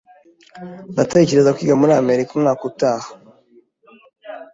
Ndatekereza kwiga muri Amerika umwaka utaha.